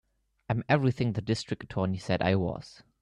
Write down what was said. I'm everything the District Attorney said I was.